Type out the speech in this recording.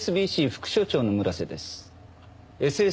副所長の村瀬です。